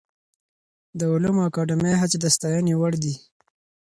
د علومو اکاډمۍ هڅې د ستاینې وړ دي.